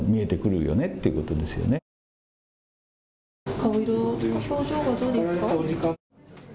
顔色、表情はどうですか。